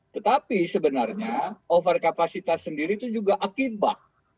tetapi sebenarnya overcapacity sendiri itu juga akibat